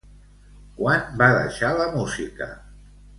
Quan va deixar la música?